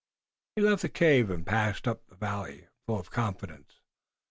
He left the cave and passed up the valley, full of confidence.